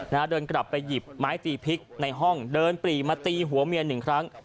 เดินกลับไปหยิบไม้ตีพริกในห้องเดินปรีมาตีหัวเมียหนึ่งครั้ง